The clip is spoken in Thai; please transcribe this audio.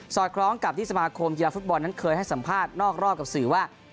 อดคล้องกับที่สมาคมกีฬาฟุตบอลนั้นเคยให้สัมภาษณ์นอกรอบกับสื่อว่า